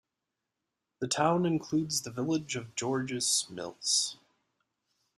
The town includes the village of Georges Mills.